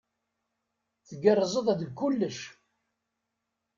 Tgerrzeḍ deg kullec.